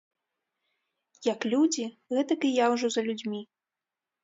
Як людзі, гэтак і я ўжо за людзьмі.